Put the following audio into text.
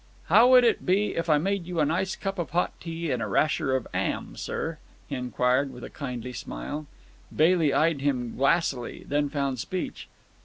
"How would it be if I made you a nice cup of hot tea and a rasher of 'am, sir?" he inquired with a kindly smile. Bailey eyed him glassily, then found speech.